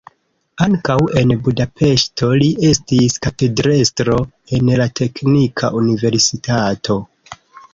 Ankaŭ en Budapeŝto li estis katedrestro en la teknika universitato.